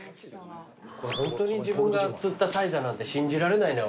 これホントに自分が釣ったタイだなんて信じられないね俺。